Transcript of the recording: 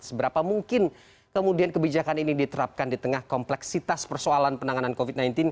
seberapa mungkin kemudian kebijakan ini diterapkan di tengah kompleksitas persoalan penanganan covid sembilan belas